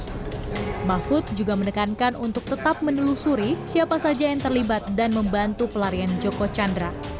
mahfud juga menekankan untuk tetap menelusuri siapa saja yang terlibat dan membantu pelarian joko chandra